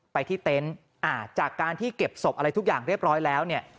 ไปที่เต็นต์จากการที่เก็บศพอะไรทุกอย่างเรียบร้อยแล้วเนี่ย